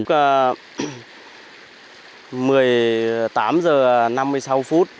đúng là một mươi tám giờ năm mươi sáu phút